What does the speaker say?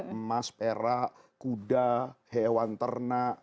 emas perak kuda hewan ternak